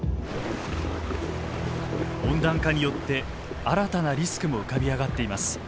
温暖化によって新たなリスクも浮かび上がっています。